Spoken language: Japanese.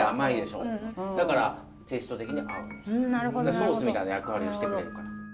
ソースみたいな役割をしてくれるから。